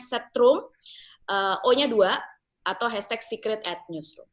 setrum o nya dua atau hashtag secret at newsroom